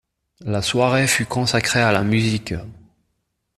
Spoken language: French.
La soirée fut consacrée à la musique.